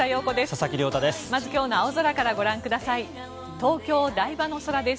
佐々木亮太です。